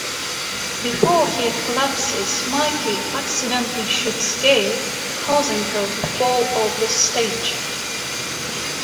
Before he collapses, Mickey accidentally shoots Gale, causing her to fall off the stage.